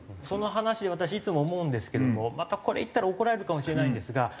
その話で私いつも思うんですけれどもまたこれ言ったら怒られるかもしれないんですが。